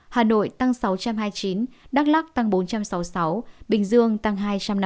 hà nội tăng sáu trăm hai mươi chín đắk lắc tăng bốn trăm sáu mươi sáu bình dương tăng hai trăm năm mươi